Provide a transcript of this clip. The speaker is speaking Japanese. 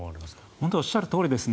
本当におっしゃるとおりですね。